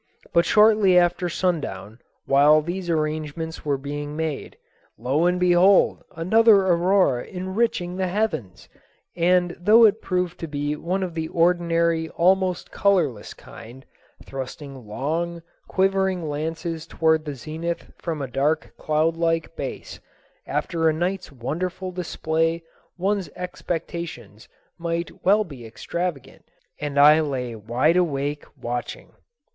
But shortly after sundown, while these arrangements were being made, lo and behold another aurora enriching the heavens! and though it proved to be one of the ordinary almost colorless kind, thrusting long, quivering lances toward the zenith from a dark cloudlike base, after last night's wonderful display one's expectations might well be extravagant and I lay wide awake watching.